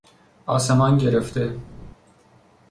آسمان گرفته